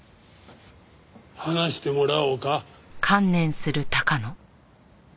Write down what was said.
話してもらおうか？